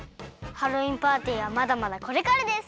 ハロウィーンパーティーはまだまだこれからです！